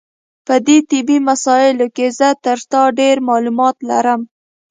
په دې طبي مسایلو کې زه تر تا ډېر معلومات لرم.